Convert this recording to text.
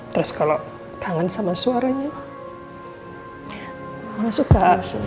terus kalau kangen sama suaranya mama suka